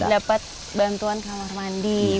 dapat bantuan kamar mandi